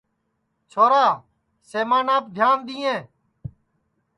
چھورا سمانپ دھیان دؔیئیں